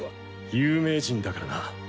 有名人だからな。